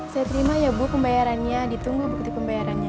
saya terima ya bu pembayarannya ditunggu bukti pembayarannya